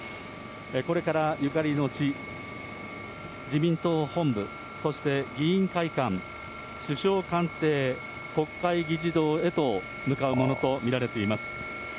これからゆかりの地、自民党本部、そして議員会館、首相官邸、国会議事堂へと向かうものと見られています。